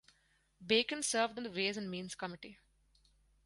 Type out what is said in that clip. Bacon served on the Ways and Means committee.